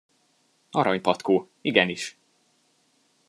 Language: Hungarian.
Aranypatkó, igenis!